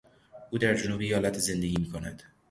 او در جنوب ایالت زندگی میکند.